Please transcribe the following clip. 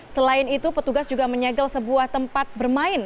selain itu petugas juga menyegel sebuah tempat bermain